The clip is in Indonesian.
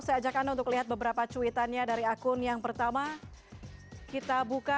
saya ajak anda untuk lihat beberapa cuitannya dari akun yang pertama kita buka